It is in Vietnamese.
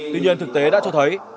tuy nhiên thực tế đã cho thấy